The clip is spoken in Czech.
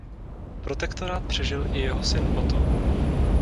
Protektorát přežil i jeho syn Otto.